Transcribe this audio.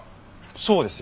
そうですよ。